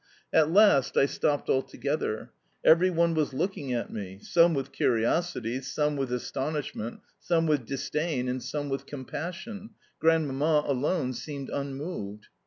At last I stopped altogether. Every one was looking at me some with curiosity, some with astonishment, some with disdain, and some with compassion, Grandmamma alone seemed unmoved.